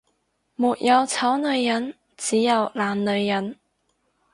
沒有醜女人，只有懶女人